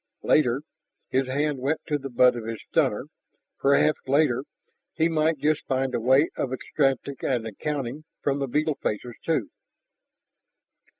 Later (his hand went to the butt of his stunner) perhaps later he might just find a way of extracting an accounting from the beetle faces, too.